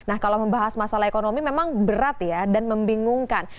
nah kalau membahas masalah ekonomi memang berat ya dan membingungkan